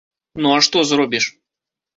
Ну а што зробіш?